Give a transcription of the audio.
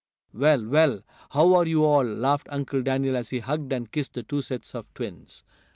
"Well, well! How are you all!" laughed Uncle Daniel as he hugged and kissed the two sets of twins.